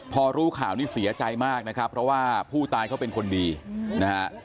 พอรู้ข่าวนี่เสียใจมากนะครับเพราะว่าผู้ตายเขาเป็นคนดีนะฮะ